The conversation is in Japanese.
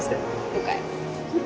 了解。